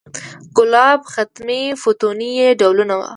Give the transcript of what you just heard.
ګلاب، ختمي، فتوني یې ډولونه و.